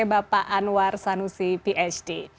bapak anwar sanusi phd